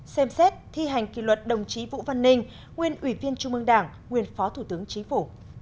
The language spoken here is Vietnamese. ba xem xét thi hành kỷ luật đồng chí vũ văn ninh nguyên ủy viên trung mương đảng nguyên phó thủ tướng chính phủ